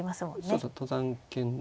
そうそう登山研で。